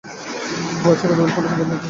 ভাবছি কতগুলো ফার্নিচার বদলাতে হবে।